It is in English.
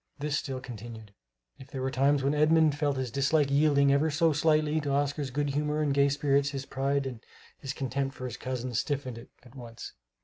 This still continued. If there were times when Edmund felt his dislike yielding ever so slightly to Oscar's good humor and gay spirits, his pride and his contempt for his cousin stiffened it at once.